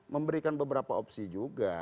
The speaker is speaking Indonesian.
memberikan beberapa opsi juga